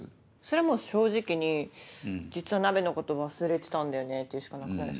それはもう正直に実は鍋のこと忘れてたんだよねって言うしかなくないですか？